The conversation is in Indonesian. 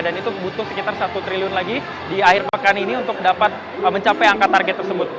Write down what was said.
dan itu butuh sekitar satu triliun lagi di akhir pekan ini untuk dapat mencapai angka target tersebut